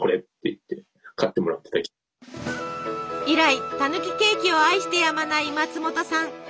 以来たぬきケーキを愛してやまない松本さん。